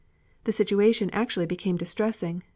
The situation actually became distressing.